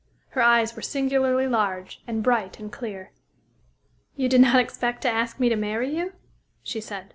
Her eyes were singularly large and bright and clear. "You did not expect to ask me to marry you?" she said.